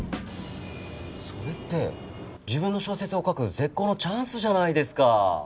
それって自分の小説を書く絶好のチャンスじゃないですか？